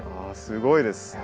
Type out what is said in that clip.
あすごいです。